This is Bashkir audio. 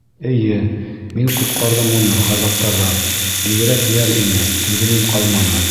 — Эйе, мин ҡотҡарҙым уны ғазаптарҙан, бигерәк йәл ине, түҙемем ҡалманы.